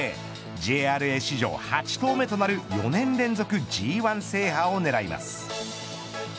ＪＲＡ史上８頭目となる４年連続Ｇ１制覇を狙います。